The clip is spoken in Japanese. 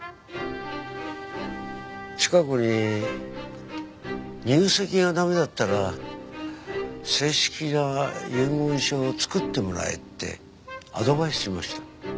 チカ子に入籍が駄目だったら正式な遺言書を作ってもらえってアドバイスしました。